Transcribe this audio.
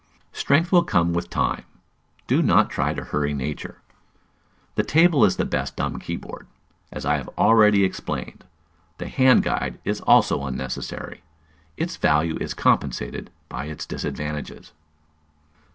Strength will come with time; do not try to hurry nature. The table is the best "dumb key board," as I have already explained. The "hand guide" is also unnecessary: its value is compensated by its disadvantages.